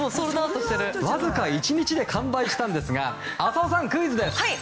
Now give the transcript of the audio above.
わずか１日で完売したんですが浅尾さん、クイズです。